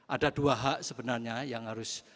ada dua hak sebenarnya yang harus